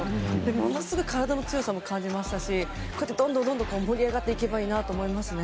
ものすごい体の強さも感じたしこうやってどんどん盛り上がっていけばいいなと思います。